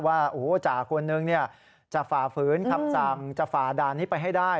ว่าจ่าคนนึงจะฝ่าฝืนคำสั่งจะฝ่าด่านนี้ไปให้ได้